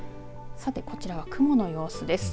さて、こちらは雲の様子です。